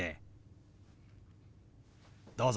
どうぞ。